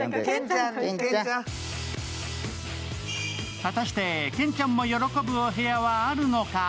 果たして、ケンちゃんも喜ぶお部屋はあるのか？